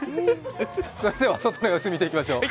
それでは外の様子を見ていきましょう。